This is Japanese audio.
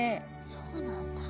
そうなんだ。